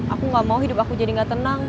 aku gak mau hidup aku jadi gak tenang